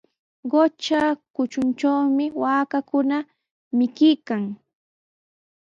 Qutra kutruntrawmi waakakuna mikuykan.